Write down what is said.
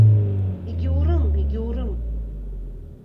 Егьаурым, егьаурым!